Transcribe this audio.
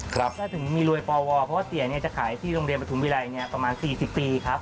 ถ้าถึงมีรวยปวเพราะว่าเสียเนี่ยจะขายที่โรงเรียนประทุมวิรัยเนี่ยประมาณ๔๐ปีครับ